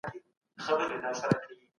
ټولنه د متخصصینو په کار تړلې ده.